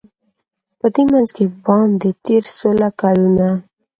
په دې منځ کي باندی تېر سوله کلونه